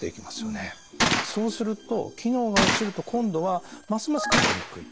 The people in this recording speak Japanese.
そうすると機能が落ちると今度はますますかみにくい。